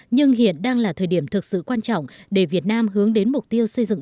nhưng hiện đang là thời điểm thực sự quan trọng để việt nam hướng đến mục tiêu xây dựng